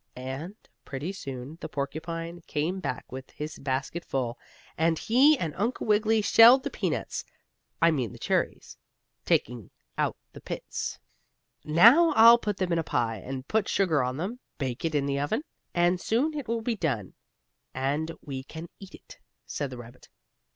And pretty soon the porcupine came back with his basket full, and he and Uncle Wiggily shelled the peanuts I mean the cherries taking out the pits. "Now I'll put them in the pie, and put sugar on them, bake it in the oven, and soon it will be done, and we can eat it," said the rabbit.